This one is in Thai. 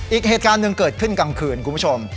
อีกเหตุการณ์หนึ่งเกิดขึ้นกลางคืนคุณผู้ชม